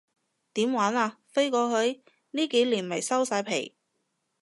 點玩啊，飛過去？呢幾年咪收晒皮